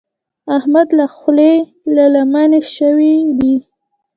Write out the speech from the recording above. احمد له خولې له لمنې شوی دی.